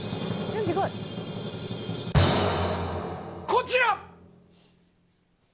こちら。